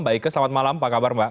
baike selamat malam apa kabar mbak